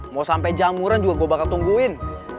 mau sampai jamuran juga gue bakal tungguin